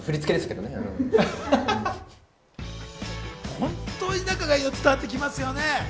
本当に仲がいいの伝わってきますよね。